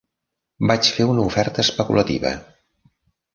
Vaig fer una oferta especulativa.